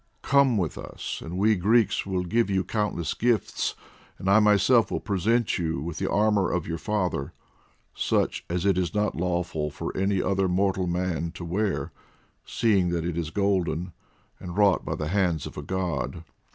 Come with us, and we Greeks will give you countless gifts, and I myself will present you with the armour of your father, such as it is not lawful for any other mortal man to wear, seeing that it is golden, and wrought by the hands of a God.